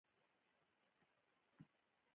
هره ورځ تر بلې په فساد کې ډوب شو.